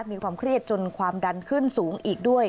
มีความเครียดจนความดันขึ้นสูงอีกด้วย